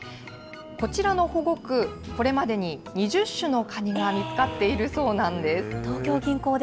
こちらの保護区、これまでに２０種のカニが見つかっているそうなんです。